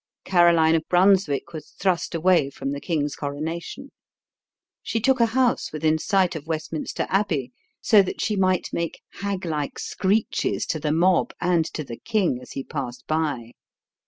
Caroline of Brunswick was thrust away from the king's coronation. She took a house within sight of Westminster Abbey, so that she might make hag like screeches to the mob and to the king as he passed by.